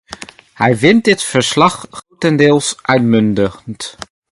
Hij vindt dit verslag grotendeels uitmuntend.